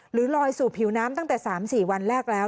ลอยสู่ผิวน้ำตั้งแต่๓๔วันแรกแล้ว